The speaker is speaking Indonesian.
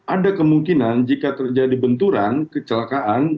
ada kemungkinan jika terjadi benturan kecelakaan